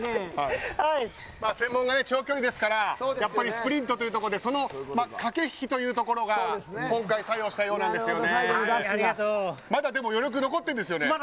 専門が長距離ですからスプリントの駆け引きというのが今回、作用したようなんですね。